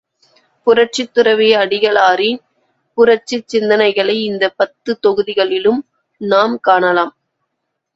புரட்சித்துறவி அடிகளாரின் புரட்சிச் சிந்தனைகளை இந்த பத்து தொகுதிகளிலும் நாம் காணலாம்.